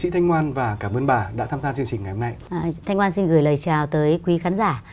thanh ngoan xin gửi lời chào tới quý khán giả